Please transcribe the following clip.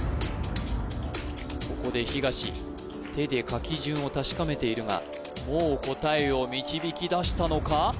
ここで東手で書き順を確かめているがもう答えを導き出したのか？